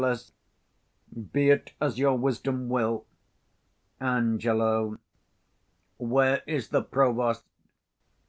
_ Be it as your wisdom will. Ang. Where is the provost?